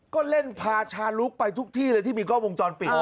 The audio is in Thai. ก็เล่นพาชาลุกไปทุกที่เลยที่มีกล้องวงจรปิด